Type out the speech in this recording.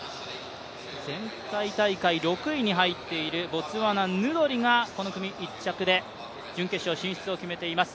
前回大会６位に入っているボツワナ・ヌドリがこの組、１着で準決勝進出を決めています。